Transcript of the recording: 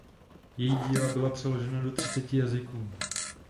Její díla byla přeložena do třiceti jazyků.